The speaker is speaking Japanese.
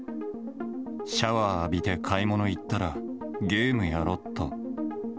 シャワー浴びて買い物行ったらゲームやろっと。